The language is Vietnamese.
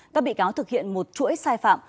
các bị cáo thực hiện một chuỗi sai phạm